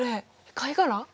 貝殻？